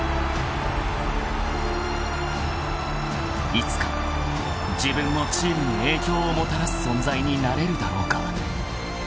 ［いつか自分もチームに影響をもたらす存在になれるだろうか］